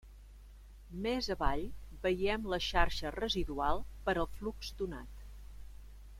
Més avall veiem la xarxa residual per al flux donat.